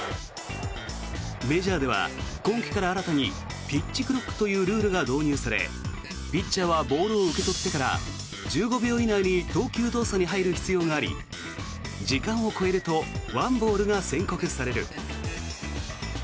メジャーでは今季から新たにピッチクロックというルールが導入されピッチャーはボールを受け取ってから１５秒以内に投球動作に入る必要があり時間を超えると１ボールが宣告される。